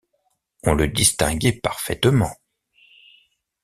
On le distinguait parfaitement.